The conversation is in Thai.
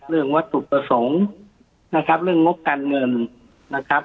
เรื่องวัตถุประสงค์นะครับเรื่องงบการเงินนะครับ